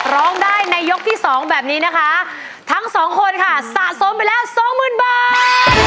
ร้องได้ในยกที่สองแบบนี้นะคะทั้งสองคนค่ะสะสมไปแล้วสองหมื่นบาท